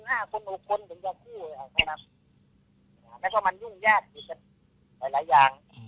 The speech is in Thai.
แค่๘คน๕คน๖คนถึงก็คู่เลยครับแล้วก็มันยุ่งยากอยู่กับหลายอย่าง